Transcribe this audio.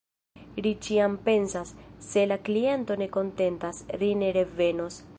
Ri ĉiam pensas "Se la kliento ne kontentas, ri ne revenos".